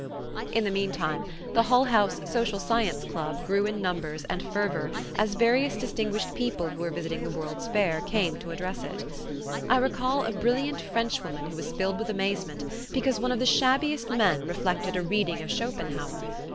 In the meantime the Hull House Social Science Club grew in numbers and fervor as various distinguished people who were visiting the World's Fair came to address it. I recall a brilliant Frenchwoman who was filled with amazement because one of the shabbiest men reflected a reading of Schopenhauer.